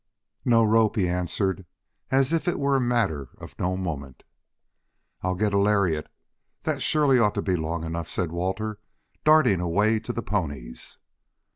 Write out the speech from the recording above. "No rope," he answered, as if it were a matter of no moment. "I'll get a lariat. That surely ought to be long enough," said Walter, darting away to the ponies.